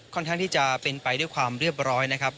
ข้างที่จะเป็นไปด้วยความเรียบร้อยนะครับ